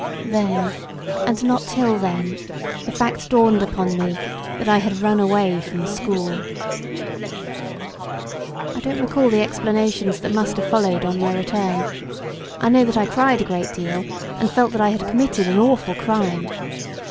Then, and not till then, the fact dawned upon me that I had run away from school. I don't recall the explanations that must have followed on my return. I know that I cried a great deal, and felt that I had committed an awful crime.